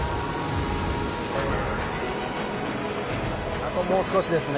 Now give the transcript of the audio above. あともう少しですね。